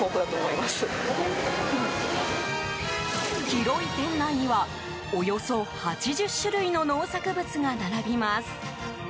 広い店内にはおよそ８０種類の農作物が並びます。